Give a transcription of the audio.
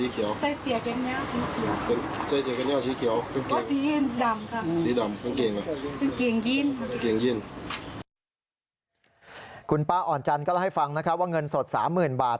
คุณป้าอ่อนจันทร์ก็เล่าให้ฟังนะครับว่าเงินสด๓๐๐๐บาท